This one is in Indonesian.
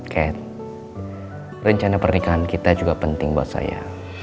rencana pernikahan kita juga penting buat saya